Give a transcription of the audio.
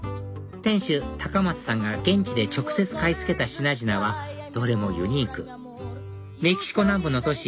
店主松さんが現地で直接買い付けた品々はどれもユニークメキシコ南部の都市